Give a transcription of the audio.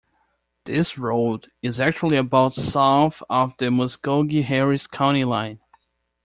This road is actually about south of the Muscogee-Harris county line.